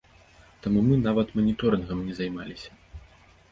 Таму мы нават маніторынгам не займаліся.